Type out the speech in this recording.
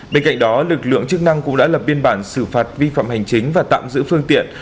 bên cạnh đó lực lượng chức năng cũng đã lập biên bản xử phạt vi phạm hành chính và tạm giữ phương tiện